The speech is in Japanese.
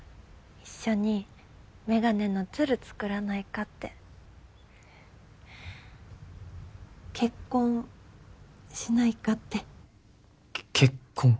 一緒にメガネのツル作らないかって結婚しないかってけ結婚？